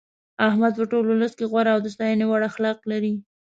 احمد په ټول ولس کې غوره او د ستاینې وړ اخلاق لري.